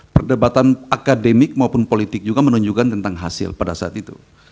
perdebatan akademik maupun politik juga menunjukkan tentang hasil pada saat itu